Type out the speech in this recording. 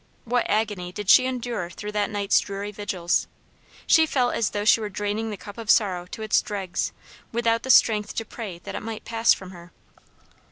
What agony did she endure through that night's dreary vigils! She felt as though she were draining the cup of sorrow to its dregs, without the strength to pray that it might pass from her.